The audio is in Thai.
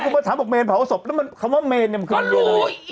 ก็พูดว่าถามโบกเมนเผาศพคำว่าเมนยังเคยมีอะไร